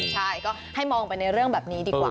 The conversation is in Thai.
ใช่ก็ให้มองไปในเรื่องแบบนี้ดีกว่า